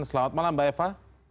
selamat malam mbak eva